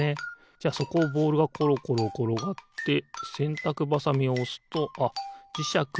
じゃあそこをボールがころころころがってせんたくばさみをおすとあっじしゃくがおちるのかな？